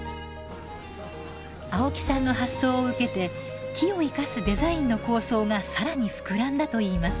青木さんの発想を受けて木を生かすデザインの構想が更に膨らんだといいます。